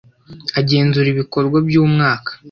agenzura ibikorwa by ‘umwaka.